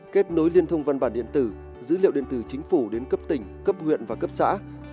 kết nối liên thông văn bản điện tử dữ liệu điện tử chính phủ đến cấp tỉnh cấp huyện và cấp xã